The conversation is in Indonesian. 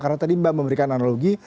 karena tadi mbak memberikan analogi